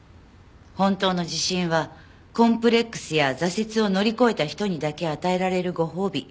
本当の自信はコンプレックスや挫折を乗り越えた人にだけ与えられるご褒美。